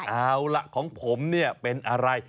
เอาล่ะของผมเนี่ยเป็นอะไร